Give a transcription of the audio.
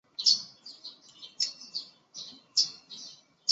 德鲁艾地区梅齐埃。